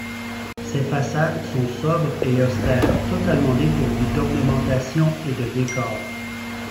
Ses façades sont sobres et austères, totalement dépourvues d'ornementation et de décor.